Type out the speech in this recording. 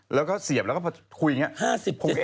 แล้วก็เสียบแล้วก็พอคุยอย่างนี้